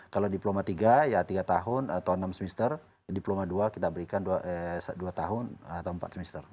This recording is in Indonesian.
kalau diploma tiga ya tiga tahun atau enam semester diploma dua kita berikan dua tahun atau empat semester